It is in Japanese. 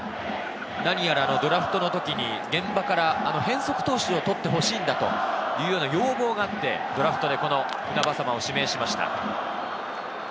なにやらドラフトの時に現場から変則投手を取ってほしいんだという要望があって、ドラフトでこの船迫を指名しました。